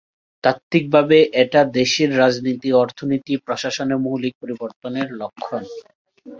তাত্ত্বিকভাবে এটা দেশের রাজনীতি, অর্থনীতি, প্রশাসনে মৌলিক পরিবর্তনের লক্ষণ।